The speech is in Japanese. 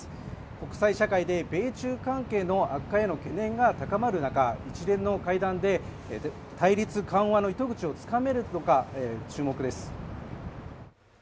国際社会で米中関係の悪化への懸念が高まる中、一連の会談で対立緩和の糸口をつかめるのか注目です。